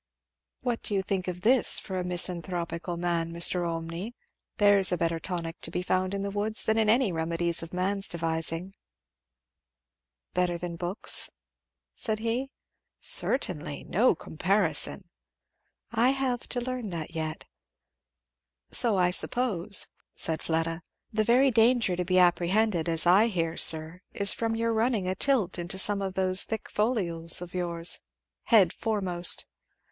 "What do you think of this for a misanthropical man, Mr. Olmney? there's a better tonic to be found in the woods than in any remedies of man's devising." "Better than books?" said he. "Certainly! No comparison." "I have to learn that yet." "So I suppose," said Fleda. "The very danger to be apprehended, as I hear, sir, is from your running a tilt into some of those thick folios of yours, head foremost.